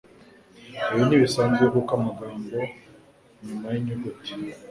Ibi ntibisanzwe kuko amagambo nyuma yinyuguti